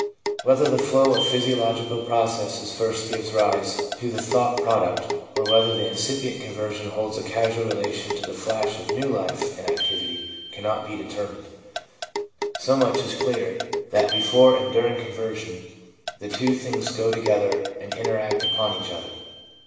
Whether the flow of physiological processes first gives rise to the thought product, or whether the incipient conversion holds a causal relation to the flash of new life and activity, cannot be determined. So much is clear, that before and during conversion the two things go together and interact upon each other.